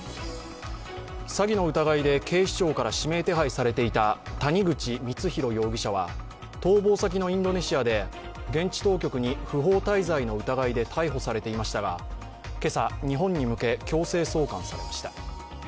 詐欺の疑いで警視庁から指名手配されていた谷口光弘容疑者は逃亡先のインドネシアで現地当局に不法滞在の疑いで逮捕されていましたが、けさ、日本に向け強制送還されました。